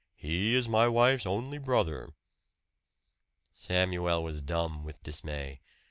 "He is my wife's only brother." Samuel was dumb with dismay.